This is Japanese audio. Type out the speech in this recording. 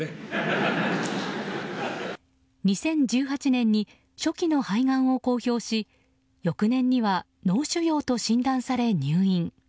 ２０１８年に初期の肺がんを公表し翌年には脳腫瘍と診断され入院。